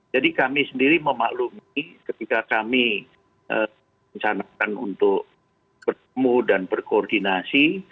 jadi kami sendiri memaklumi ketika kami mencanakan untuk bertemu dan berkoordinasi